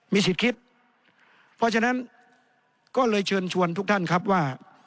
มีสิทธิ์คิดเพราะฉะนั้นก็เลยเชิญชวนทุกท่านครับว่า